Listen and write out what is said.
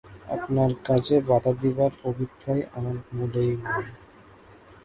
আপনার কাজে বাধা দিবার অভিপ্রায় আমার মূলেই নাই।